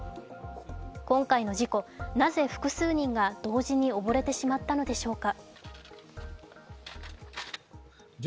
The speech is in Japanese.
今回の事故、なぜ複数人が同時に溺れてしまったのでしょうか。